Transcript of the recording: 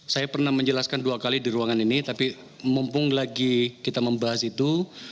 saya pernah menjelaskan dua kali di ruangan ini tapi mumpung lagi kita membahas itu